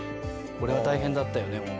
「これは大変だったよね